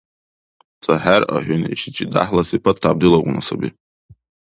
Ца хӀеръа хӀуни ишичи, дяхӀла сипат тяп дилагъуна саби.